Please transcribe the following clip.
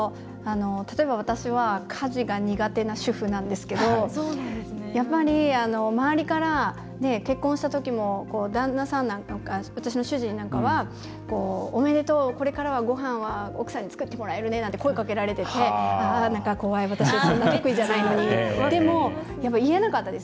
例えば、私は家事が苦手な主婦なんですけど周りから、結婚したときも私の主人なんかはおめでとう、これからはごはんは奥さんに作ってもらえるねなんて声かけられていて、怖い私そんなに得意じゃないのにでも、言えなかったです。